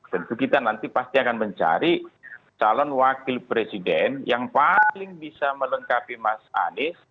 tentu kita nanti pasti akan mencari calon wakil presiden yang paling bisa melengkapi mas anies